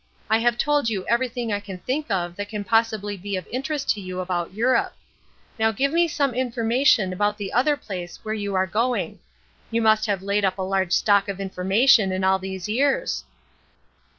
I have told you everything I can think of that can possibly be of interest to you about Europe; now give me some information about the other place where you are going. You must have laid up a large stock of information in all these years.'"